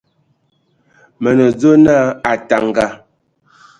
Mə nə dzwe na Ataŋga.